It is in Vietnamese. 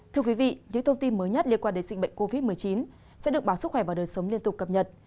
thưa quý vị những thông tin mới nhất liên quan đến dịch bệnh covid một mươi chín sẽ được báo sức khỏe và đời sống liên tục cập nhật